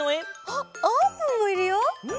あっあーぷんもいるよ！